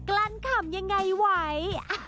กลั้นขำยังไงไหว